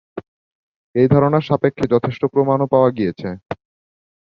এই ধারণার সপক্ষে যথেষ্ট প্রমাণও পাওয়া গিয়েছে।